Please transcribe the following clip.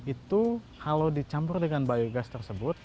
itu kalau dicampur dengan biogas tersebut